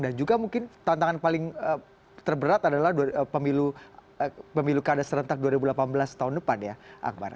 dan juga mungkin tantangan paling terberat adalah pemilu pemilu keadaan serentak dua ribu delapan belas tahun depan